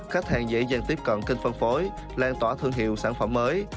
khách hàng dễ dàng tiếp cận kênh phân phối lan tỏa thương hiệu sản phẩm mới